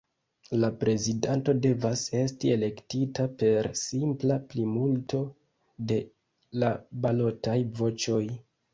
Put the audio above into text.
La prezidanto devas esti elektita per simpla plimulto de la balotaj voĉoj.